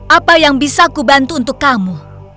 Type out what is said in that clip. apa yang bisa ku bantu untuk kamu